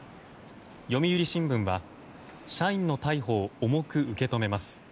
読売新聞は社員の逮捕を重く受け止めます。